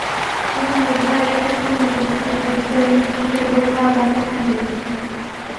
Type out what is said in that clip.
Comment oserais-je prétendre vous détourner du salut auquel votre âme aspire?